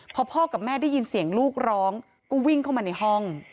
พอพ่อกับแม่ได้ยินเสียงลูกร้องก็วิ่งเข้ามาในห้อง